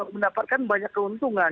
mendapatkan banyak keuntungan